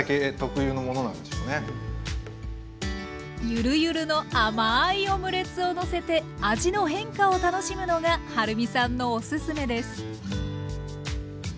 ゆるゆるの甘いオムレツをのせて味の変化を楽しむのがはるみさんのおすすめです。